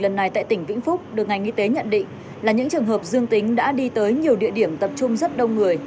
lần này tại tỉnh vĩnh phúc được ngành y tế nhận định là những trường hợp dương tính đã đi tới nhiều địa điểm tập trung rất đông người